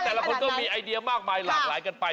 แต่ละคนก็มีไอเดียมากมายหลากหลายกันไป